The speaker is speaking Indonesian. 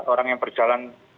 orang yang berjalan